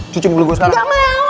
cuci mobil gue sekarang